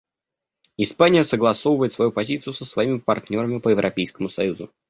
Испания согласовывает свою позицию со своими партнерами по Европейскому союзу.